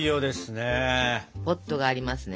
ポットがありますね。